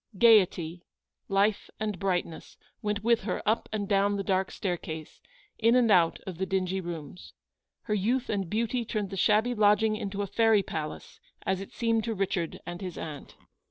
Gaiety, life, and brightness, went with her up and down the dark staircase — in and out of the dingy rooms. Her youth and beauty turned the shabby lodging into a fairy palace, as it seemed to Richard and his aunt.